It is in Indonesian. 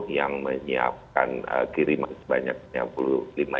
yang menyiapkan kiriman sebanyaknya